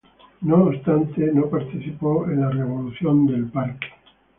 No obstante, no participó en la Revolución del Parque.